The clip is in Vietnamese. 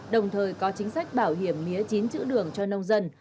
đồng thời có chính sách bảo hiểm mía chín chữ đường cho nông dân